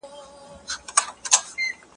زه به د کتابتون کتابونه لوستي وي.